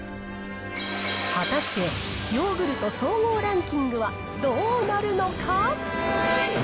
果たして、ヨーグルト総合ランキングはどうなるのか。